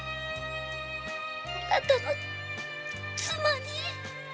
あなたの妻に。